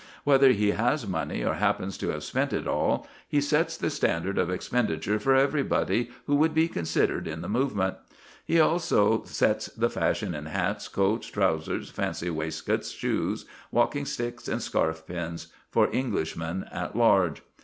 Whether he has money or happens to have spent it all, he sets the standard of expenditure for everybody who would be considered in the movement. He also sets the fashion in hats, coats, trousers, fancy waistcoats, shoes, walking sticks, and scarf pins for Englishmen at large.